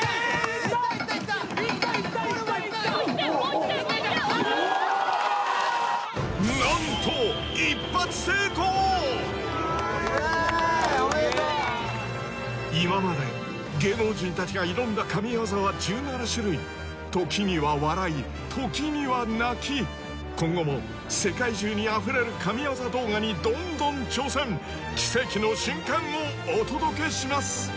菅田いった何とわあおめでとうすげえな今まで芸能人たちが挑んだ神業は１７種類時には笑い時には泣き今後も世界中にあふれる神業動画にどんどん挑戦奇跡の瞬間をお届けします